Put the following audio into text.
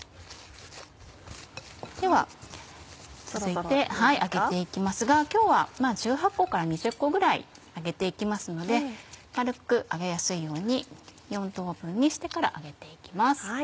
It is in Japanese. では続いて揚げて行きますが今日は１８個から２０個ぐらい揚げて行きますので軽く揚げやすいように４等分にしてから揚げて行きます。